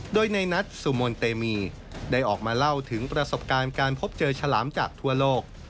ได้ออกมาเล่าถึงประสบการณ์การพบเจอฉลามจากทั่วโลก